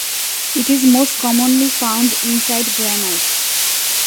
It is most commonly found inside granite.